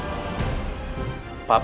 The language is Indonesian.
keputusan semua ada di tangkap